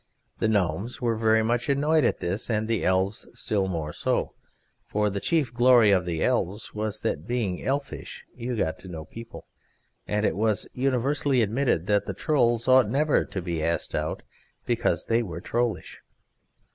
The Gnomes were very much annoyed at this, and the Elves still more so, for the chief glory of the Elves was that being elfish got you to know people; and it was universally admitted that the Trolls ought never to be asked out, because they were trollish.